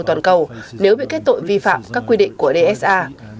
toàn cầu nếu bị kết tội vi phạm các quy định của dsa